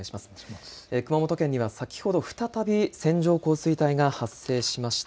熊本県には先ほど再び線状降水帯が発生しました。